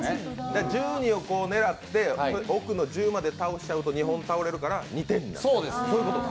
１２を狙って奥の１０まで倒しちゃうと２本倒れるから２点になっちゃうと。